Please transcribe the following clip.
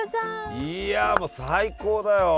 いやもう最高だよ！